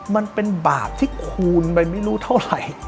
มันเป็นบาปที่คูณไปไม่รู้เท่าไหร่